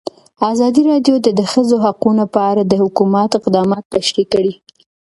ازادي راډیو د د ښځو حقونه په اړه د حکومت اقدامات تشریح کړي.